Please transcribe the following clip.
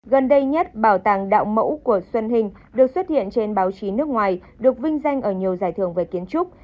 gần đây nhất bảo tàng đạo mẫu của xuân hình được xuất hiện trên báo chí nước ngoài được vinh danh ở nhiều giải thưởng về kiến trúc